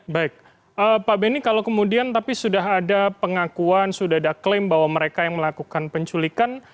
baik pak benny kalau kemudian tapi sudah ada pengakuan sudah ada klaim bahwa mereka yang melakukan penculikan